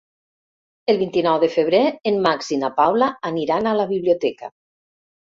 El vint-i-nou de febrer en Max i na Paula aniran a la biblioteca.